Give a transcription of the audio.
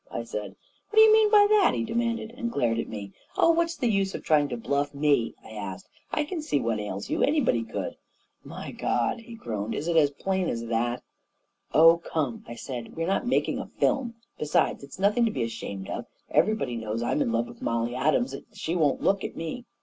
I said. "What do you mean by that?" he demanded, and glared at me. 11 Oh, what's the use of trying to bluff me ?" I asked. " I can see what ails you — anybody could!" "My God!" he groaned. "Is it as plain as that?" A KING IN BABYLON 139 " Oh, come I " I said. " We're not making a film I Besides, it's nothing to be ashamed of. Everybody knows I'm in love with Mollie Adams and that she won't look at me